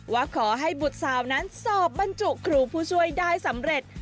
ว่าขอให้บุตรสาวนั้นสอบบรรจุครูผู้ช่วยได้สำเร็จ